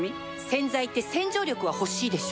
洗剤って洗浄力は欲しいでしょ